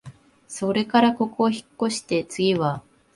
それからここをひっこして、つぎは、